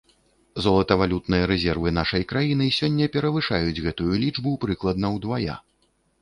Золатавалютныя рэзервы нашай краіны сёння перавышаюць гэтую лічбу прыкладна ўдвая.